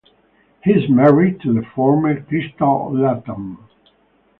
He is married to the former Crystal Latham.